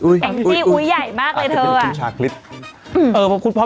อุ๊ยแองจี้อุ๊ยใหญ่มากเลยเธออะ